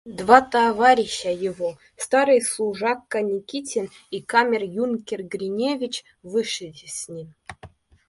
Два товарища его, старый служака Никитин и камер-юнкер Гриневич, вышли с ним.